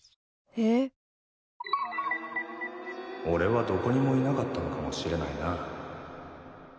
俺はどこにもいなかったのかもしれないな